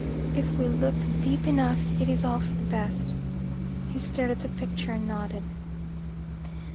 If we look deep enough, it is all for the best. He stared at the picture and nodded.